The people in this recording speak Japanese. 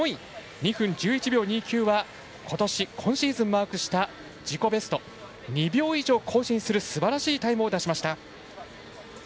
２分１１秒２９はことし今シーズンマークした自己ベスト、２秒以上更新するすばらしいタイムを出しました。